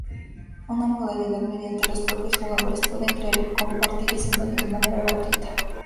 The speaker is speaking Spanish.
Una modalidad mediante los propios jugadores pueden crear y compartir escenarios de manera gratuita.